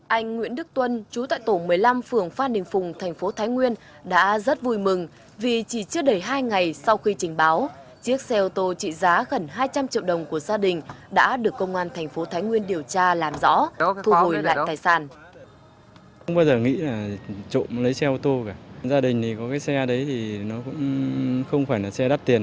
anh nguyễn đức tuân chú tại tổ một mươi năm phường phan đình phùng thành phố thái nguyên đã rất vui mừng vì chỉ trước đầy hai ngày sau khi trình báo chiếc xe ô tô trị giá gần hai trăm linh triệu đồng của gia đình đã được công an thành phố thái nguyên điều tra làm rõ thu hồi lại tài sản